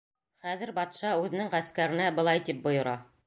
Хәҙер батша үҙенең ғәскәренә былай тип бойора: